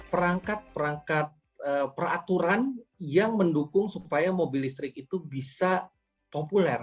perangkat perangkat peraturan yang mendukung supaya mobil listrik itu bisa populer